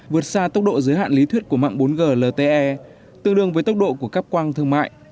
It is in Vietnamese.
vượt xa tốc độ giới hạn lý thuyết của mạng bốn g lte tương đương với tốc độ của các quang thương mại